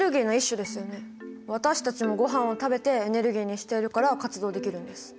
私たちもごはんを食べてエネルギーにしているから活動できるんです。